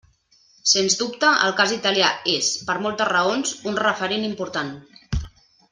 Sens dubte, el cas italià és, per moltes raons, un referent important.